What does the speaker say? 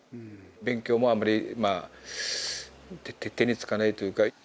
勉強もあんまりまあ手につかないというか。